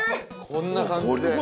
◆こんな感じで。